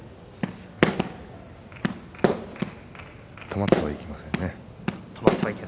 止まってはいけませんね。